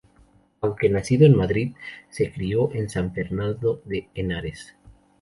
Aunque nacido en Madrid, se crio en San Fernando de Henares.